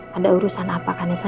pada urusan apa kan nisa